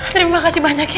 terima kasih banyak ya